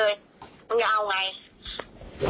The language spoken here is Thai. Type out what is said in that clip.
ไม่มันมาเราว่าพี่ซองเดี๋ยวกัน